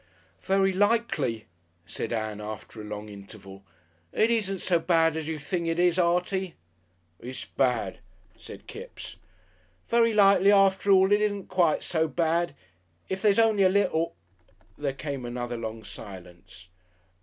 "Very likely," said Ann, after a long interval, "it isn't so bad as you think it is, Artie." "It's bad," said Kipps. "Very likely, after all, it isn't quite so bad. If there's only a little " There came another long silence.